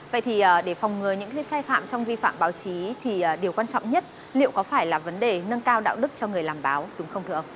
vậy thì để phòng ngừa những sai phạm trong vi phạm báo chí thì điều quan trọng nhất liệu có phải là vấn đề nâng cao đạo đức cho người làm báo đúng không thưa ông